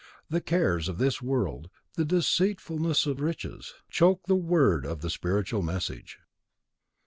The cares of this world, the deceitfulness of riches, choke the word of the spiritual message.